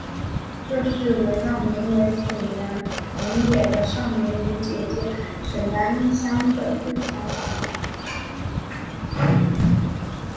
这是围绕名为水原朋也的少年与姐姐水原一香之间的日常展开。